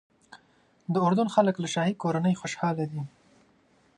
د اردن خلک له شاهي کورنۍ خوشاله دي.